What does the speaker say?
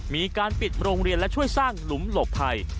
มีการปิดโรงเรียนและช่วยสร้างหลุมหลบภัย